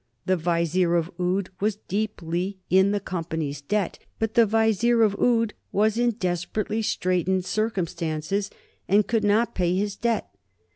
The Vizier of Oude was deeply in the Company's debt, but the Vizier of Oude was in desperately straitened circumstances, and could not pay his debt.